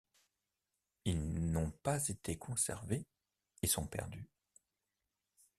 Ils n'ont pas été conservés et sont perdus.